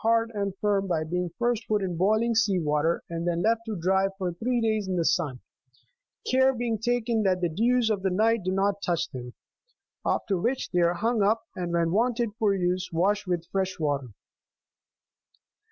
hard and firm by being first put in boiling 27 sea water, and then left to dry for three days in the sun, care being taken that the dews of the night do not touch them ; after which they are hung up, and when wanted for use, washed with fresh water.